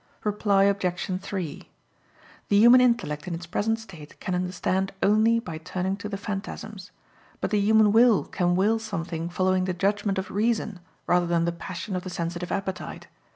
Reply Obj. 3: The human intellect in its present state can understand only by turning to the phantasms; but the human will can will something following the judgment of reason rather than the passion of the sensitive appetite.